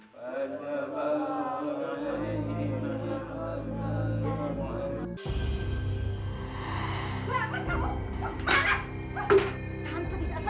tante tidak segan segan